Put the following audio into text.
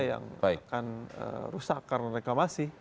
yang akan rusak karena reklamasi